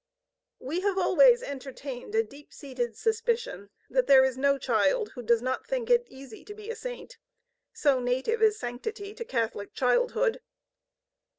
We have always entertained a deep seated suspicion that there is no child who does not think it easy to be a Saint, so native is sanctity to Catholic childhood.